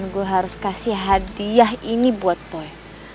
gue harus kasih hadiah ini buat poi